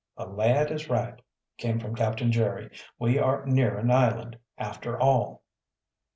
"The lad is right," came from Captain Jerry. "We are near an island, after all!"